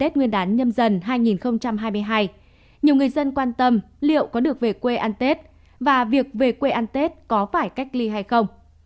tết nguyên đán nhâm dần hai nghìn hai mươi hai nhiều người dân quan tâm liệu có được về quê ăn tết và việc về quê ăn tết có phải cách ly hay không